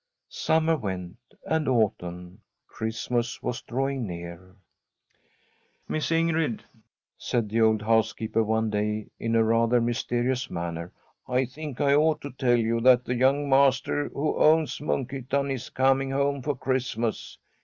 Summer went, and autumn; Christmas was drawing near. ' Miss Ingrid/ said the old housekeeper one day, in a rather mysterious manner, ' I think I ought to tell you that the young master who owns Munkhyttan is coming home for Christmas.